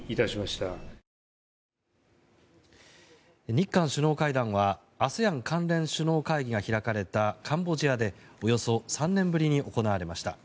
日韓首脳会談はＡＳＥＡＮ関連首脳会議が開かれたカンボジアでおよそ３年ぶりに行われました。